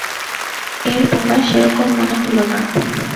এঁর বেলা সেরকম মনে হল না।